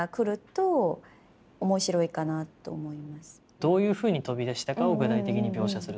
どういうふうに飛び出したかを具体的に描写する。